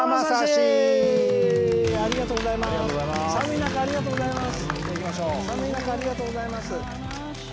寒い中ありがとうございます。